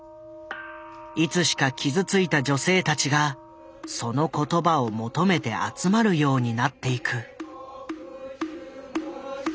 いつしか傷ついた女性たちがその言葉を求めて集まるようになっていく。